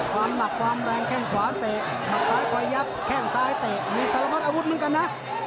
ความหนักความแรงแข้งขวาเตะหมัดซ้ายคอยยับแข้งซ้ายเตะมีสารพัดอาวุธเหมือนกันนะ